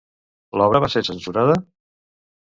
L'obra va ser censurada?